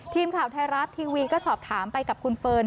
ทีมข่าวไทยรัฐทีวีก็สอบถามไปกับคุณเฟิร์น